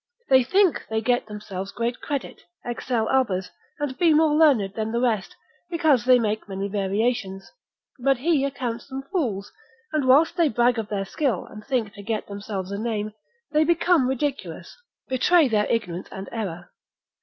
They think they get themselves great credit, excel others, and to be more learned than the rest, because they make many variations; but he accounts them fools, and whilst they brag of their skill, and think to get themselves a name, they become ridiculous, betray their ignorance and error.